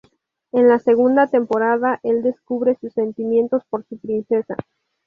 En la segunda temporada, el descubre sus sentimientos por su princesa.